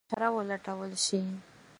بیا ورته چاره ولټول شي.